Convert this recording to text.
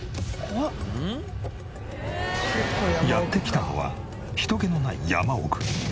やって来たのは人けのない山奥。